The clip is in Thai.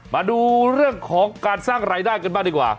มาดูเรื่องของการสร้างรายได้กันบ้างดีกว่า